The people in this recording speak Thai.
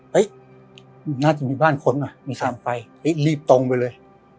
น่าจะมีบ้านคนอ่ะมีสามไฟเฮ้ยรีบตรงไปเลย